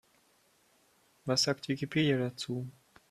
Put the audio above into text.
Was sagt Wikipedia dazu?